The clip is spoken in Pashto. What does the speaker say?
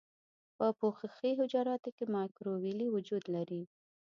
په پوښښي حجراتو کې مایکروویلې وجود لري.